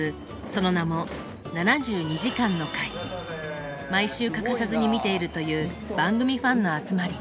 その名も毎週欠かさずに見ているという番組ファンの集まり。